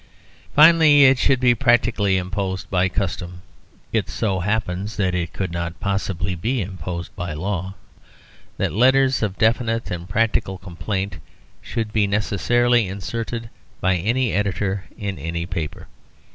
Finally, it should be practically imposed by custom (it so happens that it could not possibly be imposed by law) that letters of definite and practical complaint should be necessarily inserted by any editor in any paper.